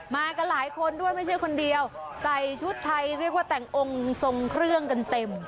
มากันหลายคนด้วยไม่ใช่คนเดียวใส่ชุดไทยเรียกว่าแต่งองค์ทรงเครื่องกันเต็ม